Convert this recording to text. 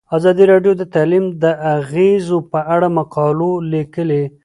ازادي راډیو د تعلیم د اغیزو په اړه مقالو لیکلي.